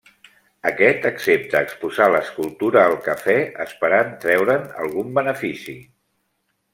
Aquest accepta exposar l'escultura al cafè, esperant treure'n algun benefici.